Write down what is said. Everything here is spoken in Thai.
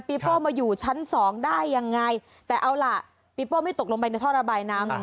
โป้มาอยู่ชั้นสองได้ยังไงแต่เอาล่ะปีโป้ไม่ตกลงไปในท่อระบายน้ำ